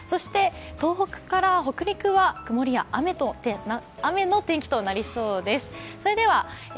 東北から北陸は曇りや雨の天気となりそうです。